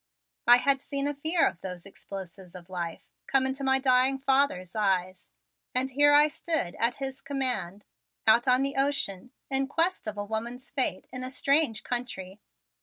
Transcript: I had seen a fear of those explosives of life come in my dying father's eyes, and here I stood at his command out on the ocean in quest of a woman's fate in a strange country.